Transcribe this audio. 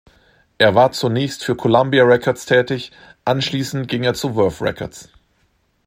Er war zunächst für Columbia Records tätig, anschließend ging er zu Verve Records.